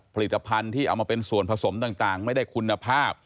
ผลิตภัณฑ์ที่เอามาเป็นส่วนผสมต่างไม่ได้คุณภาพ